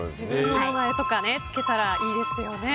名前とか付けたらいいですよね。